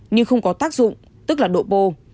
nhưng không có tác dụng tức là độ bồ